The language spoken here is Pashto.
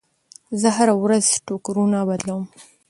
زه هره ورځ ټوکرونه بدلوم.